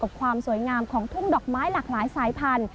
ความสวยงามของทุ่งดอกไม้หลากหลายสายพันธุ